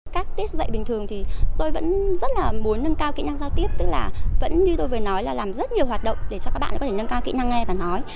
các tiết dạy bình thường thì tôi vẫn rất là muốn nâng cao kỹ năng giao tiếp tức là vẫn như tôi vừa nói là làm rất nhiều hoạt động để cho các bạn có thể nâng cao kỹ năng nghe và nói